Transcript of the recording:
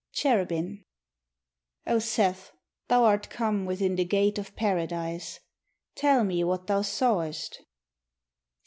Cherubin O Seth, thou art come Within the gate of Paradise: Tell me what thou sawest.